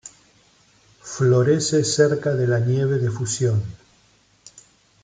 Florece cerca de la nieve de fusión.